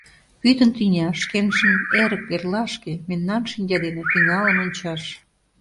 Пӱтынь тӱня Шкенжын эрык эрлашке Мемнан шинча дене Тӱҥалын ончаш!